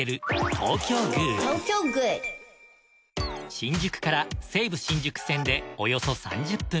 新宿から西武新宿線でおよそ３０分。